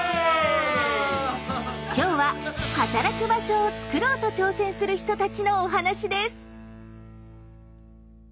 今日は働く場所をつくろうと挑戦する人たちのお話です。